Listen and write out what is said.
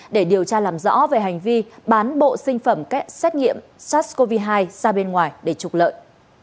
để điều tra làm rõ về hành vi bán bộ sinh phẩm xét nghiệm sars cov hai ra bên ngoài để trục lợi